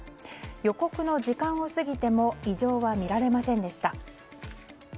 予告の時間を過ぎても異常は見られませんでした。